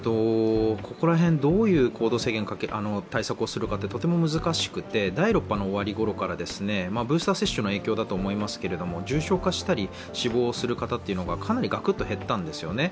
ここら辺、どういう対策をするかはとても難しくて第６波の終わりごろからブースター接種の影響だと思うんですけど重症化したり、死亡したりする方がかなりガクッと減ったんですよね。